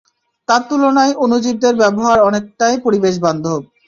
তার তুলনায় অণুজীবদের ব্যবহার অনেকটাই পরিবেশবান্ধব।